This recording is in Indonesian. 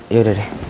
ya udah deh